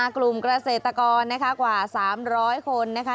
กลุ่มเกษตรกรนะคะกว่า๓๐๐คนนะคะ